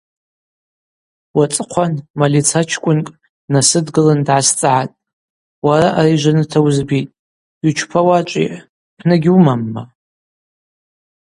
Уацӏыхъван малицачкӏвынкӏ днасыдгылын дгӏасцӏгӏатӏ: Уара ари жваныта уызбитӏ – йучпауа ачӏвыйа, пны гьуымамма?